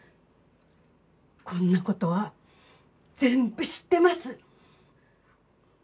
こんな事は全部知ってます！